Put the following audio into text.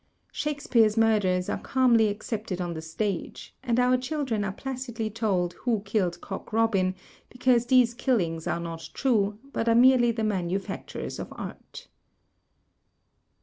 Shakespeare's murders are calmly accepted on the stage, and our children are placidly told Who Killed Cock Robin because these killings are not true, but are merely the manu factures of art.